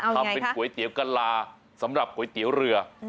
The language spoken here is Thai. ทำเป็นก๋วยเตี๋ยวกะลาสำหรับก๋วยเตี๋ยวเรือ